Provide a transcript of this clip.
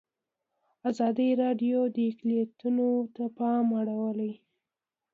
ازادي راډیو د اقلیتونه ته پام اړولی.